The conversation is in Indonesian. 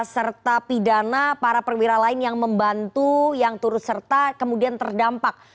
serta pidana para perwira lain yang membantu yang turut serta kemudian terdampak